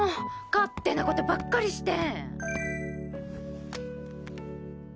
勝手な事ばっかりして！